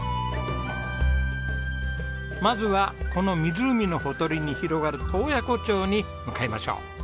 まずはこの湖のほとりに広がる洞爺湖町に向かいましょう。